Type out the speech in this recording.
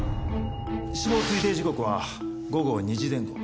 死亡推定時刻は午後２時前後。